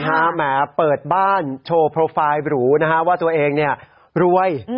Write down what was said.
แหมเปิดบ้านโชว์โปรไฟล์หรูนะฮะว่าตัวเองเนี่ยรวย